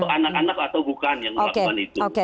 anak anak atau bukan yang melakukan itu